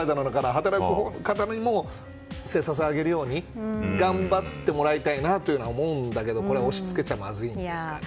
働く方にも生産性を上げるように頑張ってもらいたいなと思うんだけどこれ、押し付けちゃまずいですかね。